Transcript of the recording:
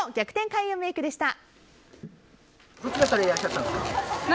開運メイクでした。